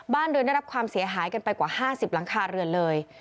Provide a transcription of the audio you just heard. บ้านเรือนได้รับความเสียหายกันไปกว่า๕๐หลังคาเรือนเลย